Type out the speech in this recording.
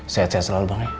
sehat sehat selalu bang